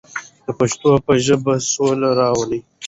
د پښتو په ژبه سوله راولو.